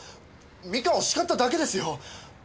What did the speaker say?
実花を叱っただけですよ。